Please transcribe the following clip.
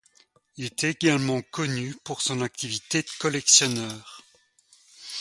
Il est également connu pour son activité de collectionneur.